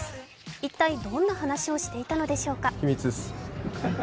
一体、どんな話をしていたのでしょうか？